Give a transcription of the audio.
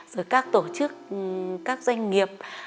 rồi các tổ chức các doanh nghiệp